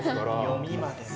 読みまでね。